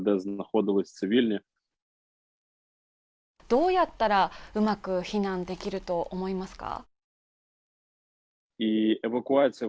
どうやったらうまく避難できると思いますか？